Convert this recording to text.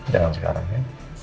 jangan sekarang ya